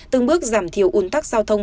từng bước giảm thiểu un tắc giao thông